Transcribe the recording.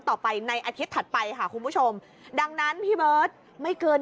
ต่อไปในอาทิตย์ถัดไปค่ะคุณผู้ชมดังนั้นพี่เบิร์ตไม่เกิน